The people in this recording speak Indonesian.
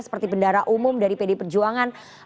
seperti bendara umum dari pd perjuangan